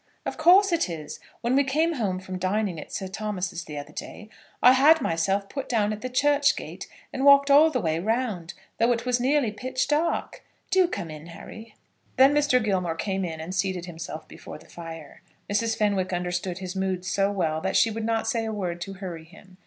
"Of course it is. When we came home from dining at Sir Thomas's the other day, I had myself put down at the church gate, and walked all the way round, though it was nearly pitch dark. Do come in, Harry." [Illustration: "Do come in, Harry."] Then Mr. Gilmore came in, and seated himself before the fire. Mrs. Fenwick understood his moods so well, that she would not say a word to hurry him.